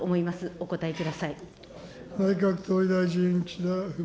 お答えください。